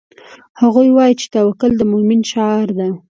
هغوی وایي چې توکل د مومن شعار ده